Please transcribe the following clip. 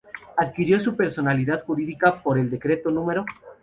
Adquirió su personalidad jurídica por el Decreto No.